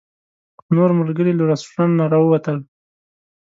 خو نور ملګري له رسټورانټ نه راووتل.